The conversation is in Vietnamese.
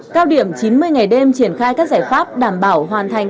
cao điểm chín mươi ngày đêm triển khai các giải pháp đảm bảo hoàn thành